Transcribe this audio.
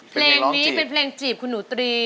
เพลงนี้เป็นเพลงจีบคุณหนูตรี